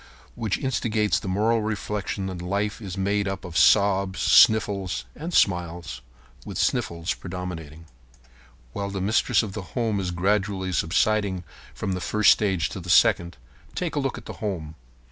Which instigates the moral reflection that life is made up of sobs, sniffles, and smiles, with sniffles predominating. While the mistress of the home is gradually subsiding from the first stage to the second, take a look at the home.